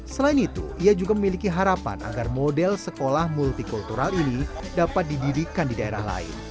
selain itu ia juga memiliki harapan agar model sekolah multikultural ini dapat didirikan di daerah lain